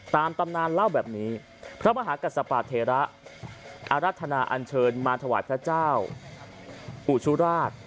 ตามตำนานเล่าแบบนี้พระมหากษัตเทระอรัฐนาอันเชิญมาถวายพระเจ้าอุชุราช